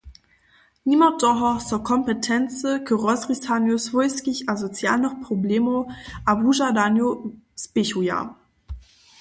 Nimo toho so kompetency k rozrisanju swójskich a socialnych problemow a wužadanjow spěchuja.